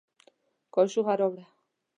کاشوغه راوړه